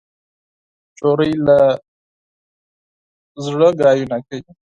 نجلۍ له زړګي خبرې کوي.